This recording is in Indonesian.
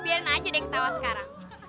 biarin aja deh kita awas sekarang